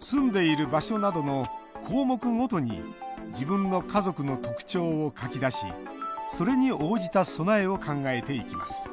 住んでいる場所などの項目ごとに自分の家族の特徴を書き出しそれに応じた備えを考えていきます